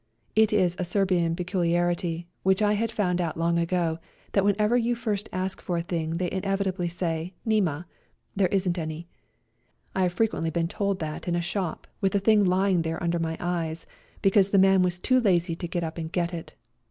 It is a Serbian peculiarity, which I had found out long ago, that whenever you first ask for a thing they invariably say " Nema "(" There isn't any "). I have frequently been told that in a shop with the thing lying there under my eyes, because the man was too lazy to get up and get it.